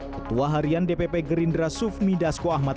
ketua harian dpp gerindra sufmi dasko ahmad